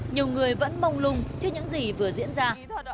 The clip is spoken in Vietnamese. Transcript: nhiều người vẫn mông lung trước những gì vừa diễn ra